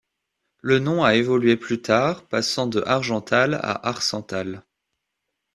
Le nom a évolué plus tard, passant de Argentales à Arcentales.